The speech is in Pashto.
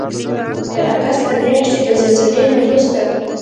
د اګست د میاشتې د زلزلې نه وروسته